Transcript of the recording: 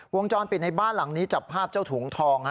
วงจรปิดในบ้านหลังนี้จับภาพเจ้าถุงทอง